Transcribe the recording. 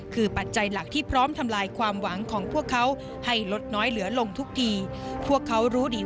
คือปัจจัยหลักที่พร้อมทำลายความหวังของพวกเขา